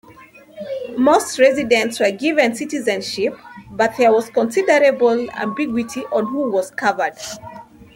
Most residents were given citizenship, but there was considerable ambiguity on who was covered.